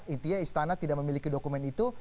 intinya istana tidak memiliki dokumen itu